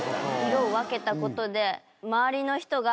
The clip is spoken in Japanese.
色を分けたことで。